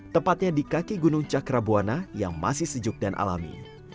tepatnya di kaki gunung cakrabuana yang masih sejuk dan alami